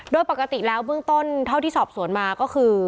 โดยปกติแล้วเบื้องต้นเท่าที่สอบสวนมาก็คือ